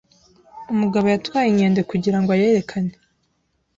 Umugabo yatwaye inkende kugira ngo ayerekane